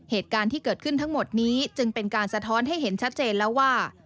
เหตุการณ์ที่เกิดขึ้นทั้งหมดนี้จึงเป็นการสะท้อนให้เห็นชัดเจนแล้วว่า